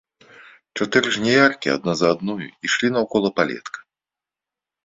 Чатыры жняяркі адна за адною ішлі наўкола палетка.